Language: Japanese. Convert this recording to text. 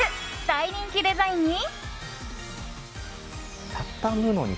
大人気デザインに。